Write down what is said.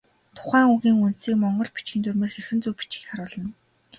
Тухайн үгийн үндсийг монгол бичгийн дүрмээр хэрхэн зөв бичихийг харуулна.